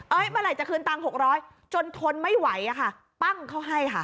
เมื่อไหร่จะคืนตังค์๖๐๐จนทนไม่ไหวอะค่ะปั้งเขาให้ค่ะ